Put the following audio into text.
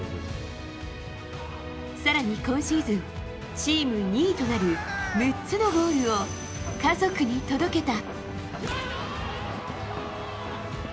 更に今シーズンチーム２位となる６つのゴールを家族に届けた。